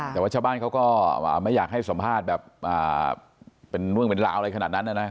แต่ว่าชาวบ้านเขาก็ไม่อยากให้สัมภาษณ์แบบเป็นเรื่องเป็นราวอะไรขนาดนั้นนะ